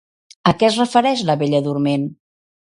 A què es refereix la Bella Dorment?